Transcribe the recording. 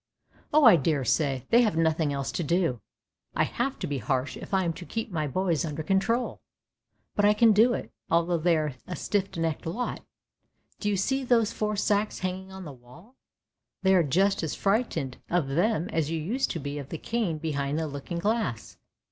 " "Oh I daresay, they have nothing else to do! I have to be harsh if I am to keep my boys under control! But I can do it, although they are a stiff necked lot! Do you see those four sacks hanging on the wall? They are just as frightened of them as you used to be of the cane behind the looking glass.